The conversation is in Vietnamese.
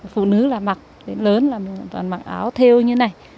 phụ nữ là mặc lớn là mặc áo theo như này